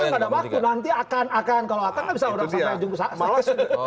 nanti akan kalau akan bisa